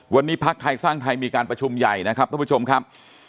วันนี้ภักดิ์ไทยสร้างไทยมีการประชุมใหญ่นะครับท่านผู้ชมครับ